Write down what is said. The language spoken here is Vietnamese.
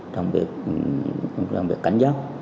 trong việc cảnh giác